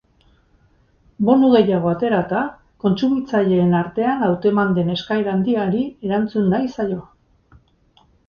Bonu gehiago aterata, kontsumitzaileen artean hauteman den eskaera handiari erantzun nahi zaio.